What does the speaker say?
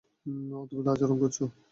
অদ্ভূত আচরণ করছো।